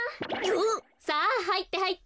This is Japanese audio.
さあはいってはいって。